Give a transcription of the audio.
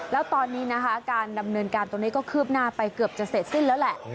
แล้วตอนนี้นะคะการดำเนินการตรงนี้ก็คืบหน้าไปเกือบจะเสร็จสิ้นแล้วแหละ